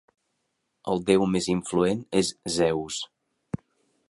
El déu més influent és Zeus.